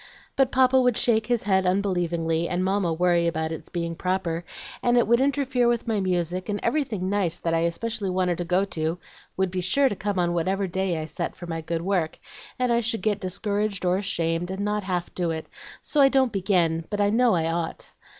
But Papa would shake his head unbelievingly, and Mamma worry about its being proper, and it would interfere with my music, and everything nice that I especially wanted to go to would be sure to come on whatever day I set for my good work, and I should get discouraged or ashamed, and not half do it, so I don't begin, but I know I ought."